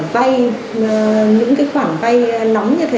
vay những khoản vay nóng như thế